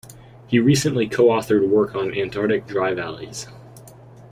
He recently co-authored work on antarctic dry valleys.